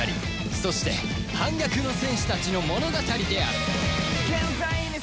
そして反逆の戦士たちの物語である